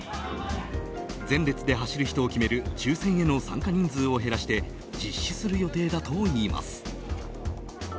前列で走る人を決める抽選への参加人数を減らして実施する予定だといいます。